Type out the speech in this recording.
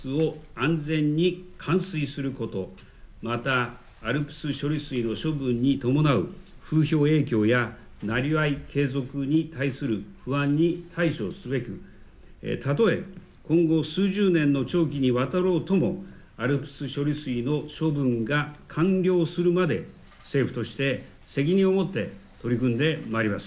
廃炉およびＡＬＰＳ処理水の放出を安全に完遂すること、またＡＬＰＳ処理水の処分に伴う風評影響やなりわい継続に対する不安に対処すべくたとえ今後数十年の長期にわたろうともＡＬＰＳ処理水の処分が完了するまで政府として責任を持って取り組んでまいります。